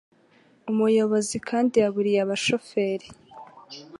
Umuyobozi kandi yaburiye aba bashoferi